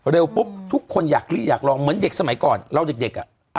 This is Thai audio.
เร็วปุ๊บทุกคนอยากลีอยากลองเหมือนเด็กสมัยก่อนเล่าเด็กอ่ะ